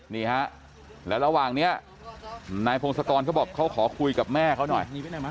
นี่ฮะแล้วระหว่างนี้นายพงศกรเขาบอกเขาขอคุยกับแม่เขาหน่อย